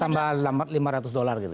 empat belas tambah tadi kita